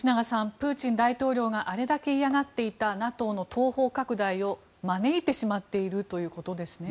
プーチン大統領があれだけ嫌がっていたＮＡＴＯの東方拡大を招いてしまっているということですね。